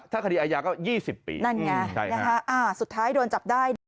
ถ้าคันดีอายาก็ยี่สิบปีนั่นไงใช่ฮะอ่าสุดท้ายโดนจับได้